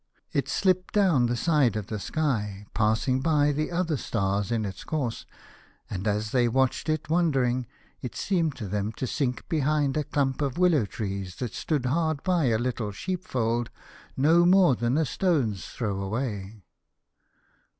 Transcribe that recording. It slipped down the side of the sky, passing by the other stars in its course, and. as they watched it wondering, it seemed to them to sink behind a clump of willow trees that stood hard by a little sheep fold no more than a stone's throw away.